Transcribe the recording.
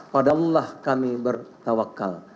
padahal allah kami bertawakkal